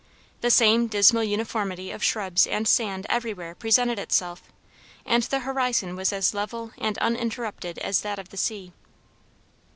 The same dismal uniformity of shrubs and sand everywhere presented itself, and the horizon was as level and uninterrupted as that of the sea.